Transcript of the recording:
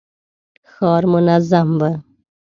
ښار منظم و.